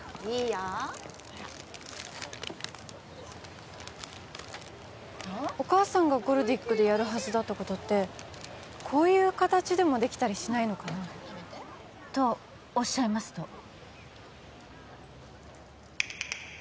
いいよほらお母さんがゴルディックでやるはずだったことってこういう形でもできたりしないのかなとおっしゃいますと？